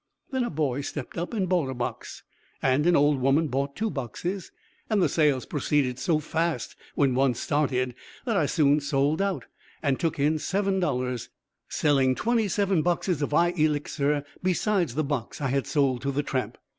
Then a boy stepped up and bought a box, and an old woman bought two boxes, and the sales proceeded so fast when once started that I soon sold out, and took in $7, selling twenty seven boxes of "Eye Elixir" besides the box I had sold to the tramp.